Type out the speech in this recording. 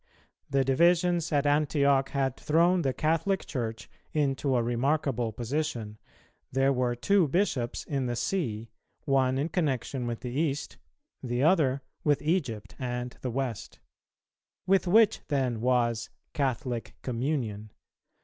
The divisions at Antioch had thrown the Catholic Church into a remarkable position; there were two Bishops in the See, one in connexion with the East, the other with Egypt and the West, with which then was "Catholic Communion"?